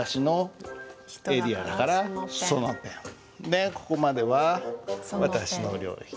でここまでは私の領域。